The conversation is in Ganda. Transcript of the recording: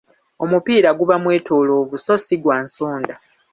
Omupiira guba mwetoloovu so si gwa nsonda.